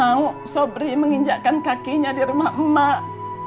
mak gak mau sobri menginjakkan kakinya di rumah emak